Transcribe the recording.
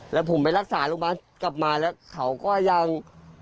แล้วผมไปรักษาโรงพยาบาลกลับมาแล้วเขาก็ยัง